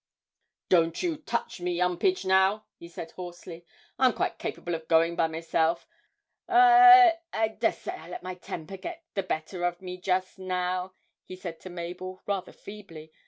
'Don't you touch me, 'Umpage, now,' he said hoarsely; 'I'm quite capable of going by myself. I I dessay I let my temper get the better o' me just now,' he said to Mabel, rather feebly.